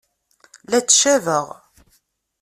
La ttcabeɣ!